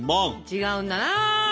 違うんだな！